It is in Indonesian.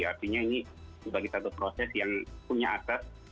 artinya ini sebagai satu proses yang punya asas